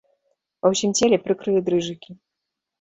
Па ўсім целе прыкрыя дрыжыкі.